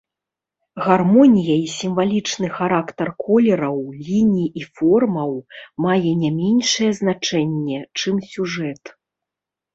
Гармонія і сімвалічны характар колераў, ліній і формаў мае не меншае значэнне, чым сюжэт.